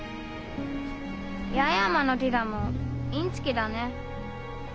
八重山のてぃだもインチキだね。